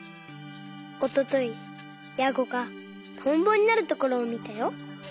おとといヤゴがトンボになるところをみたよ。